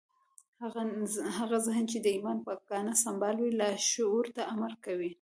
هغه ذهن چې د ايمان په ګاڼه سمبال وي لاشعور ته امر کوي.